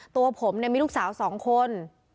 ตัวผมเนี่ยมีลูกสาวสองคน